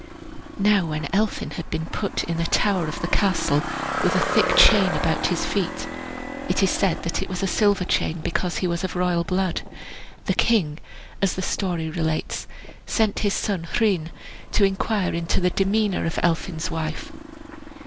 Now when Elphin had been put in a tower of the castle, with a thick chain about his feet (it is said that it was a silver chain, because he was of royal blood), the king, as the story relates, sent his son Rhun to inquire into the demeanor of Elphin's wife.